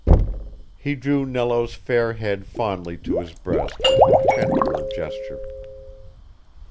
He drew Nello's fair head fondly to his breast with a tenderer gesture.